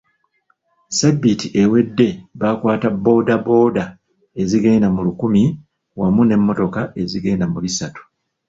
Ssabbiiti ewedde baakwata bbooda bbooda ezigenda mu lukumi wamu n'emmotoka ezigenda mu bisatu.